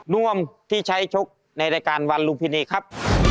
นวมที่ใช้ชกในรายการวันลุมพินีครับ